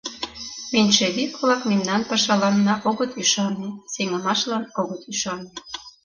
Меньшевик-влак мемнан пашаланна огыт ӱшане, сеҥымашлан огыт ӱшане.